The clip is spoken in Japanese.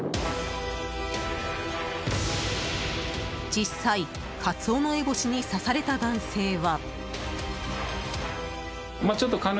実際、カツオノエボシに刺された男性は。